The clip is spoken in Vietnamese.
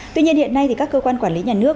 tuy nhiên hiện nay thì các cơ quan quản lý nhà nước